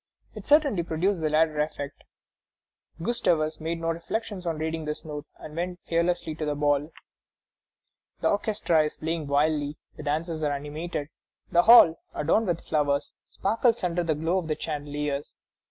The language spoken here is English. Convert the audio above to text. It certainly produced the latter effect." Gustavus made no reflections on reading this note, and went fearlessly to the ball. The orchestra is playing wildly. The dances are animated. The hall, adorned with flowers, sparkles under the glow of the chandeliers.